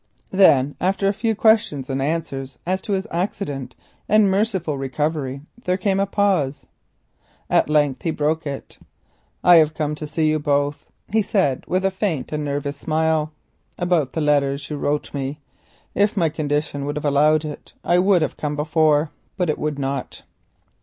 Then after a few questions and answers as to his accident and merciful recovery there came a pause. At length he broke it. "I have come to see you both," he said with a faint nervous smile, "about the letters you wrote me. If my condition had allowed I should have come before, but it would not."